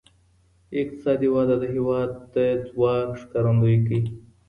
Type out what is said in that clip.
اقتصادي وده د هېواد د ځواک ښکارندویي کوي.